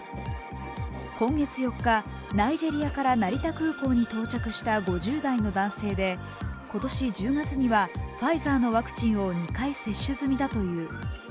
今月４日、ナイジェリアから成田空港に到着した５０代の男性で今年１０月にはファイザーのワクチンを２回接種済みだという。